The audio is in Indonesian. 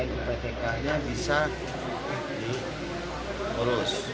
iptk nya bisa diurus